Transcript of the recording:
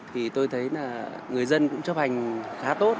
thì tôi thấy là người dân cũng chấp hành khá tốt